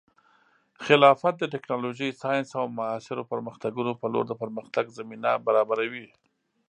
خلافت د ټیکنالوژۍ، ساینس، او معاصرو پرمختګونو په لور د پرمختګ زمینه برابروي.